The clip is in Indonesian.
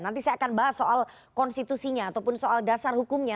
nanti saya akan bahas soal konstitusinya ataupun soal dasar hukumnya